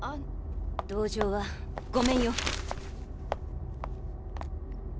同情はごめんよ。